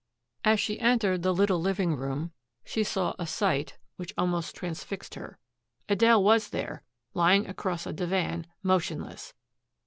As she entered the little living room she saw a sight which almost transfixed her. Adele was there lying across a divan, motionless.